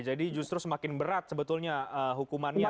jadi justru semakin berat sebetulnya hukumannya